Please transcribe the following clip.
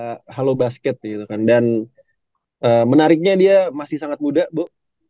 kita halo basket gitu kan dan menariknya dia masih sangat muda bu